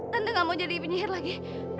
nanti gak mau jadi penyihir lagi